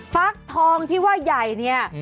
ฟักทองที่ว่าใหญ่เนี่ย